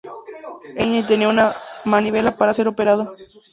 Era pequeña y tenía una manivela para ser operada.